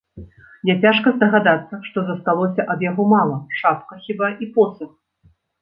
Няцяжка здагадацца, што засталося ад яго мала, шапка хіба і посах.